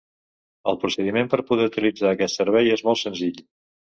El procediment per poder utilitzar aquest servei és molt senzill.